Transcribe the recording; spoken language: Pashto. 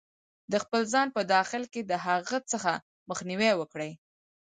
-د خپل ځان په داخل کې د هغه څه مخنیوی وکړئ